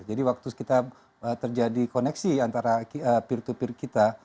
jadi waktu kita terjadi koneksi antara peer to peer kita